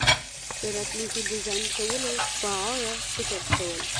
د راتلونکي ډیزاین کولو په اړه فکر کول